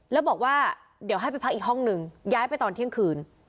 แล้วบอกว่าเดี๋ยวให้ไปพักอีกห้องหนึ่งย้ายไปตอนเที่ยงคืน